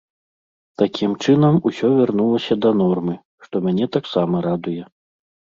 Такім чынам, усё вярнулася да нормы, што мяне таксама радуе.